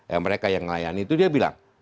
ya mereka yang layani itu dia bilang